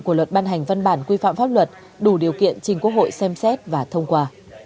của luật ban hành văn bản quy phạm pháp luật đủ điều kiện trình quốc hội xem xét và thông qua